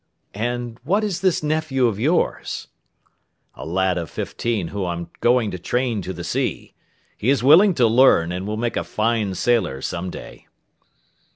"And what is this nephew of yours?" "A lad of fifteen whom I am going to train to the sea; he is willing to learn, and will make a fine sailor some day."